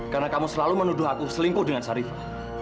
karena kamu selalu menuduh aku selingkuh dengan rifah